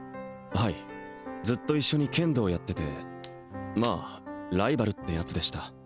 はいずっと一緒に剣道やっててまあライバルってやつでした